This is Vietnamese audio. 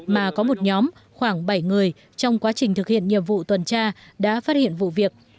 mà có một nhóm khoảng bảy người trong quá trình thực hiện nhiệm vụ tuần tra đã phát hiện vụ việc